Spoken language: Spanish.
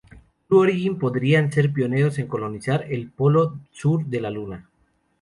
Blue Origin podrían ser pioneros en colonizar el polo sur de la Luna.